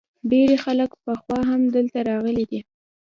ډیری خلک پخوا هم دلته راغلي دي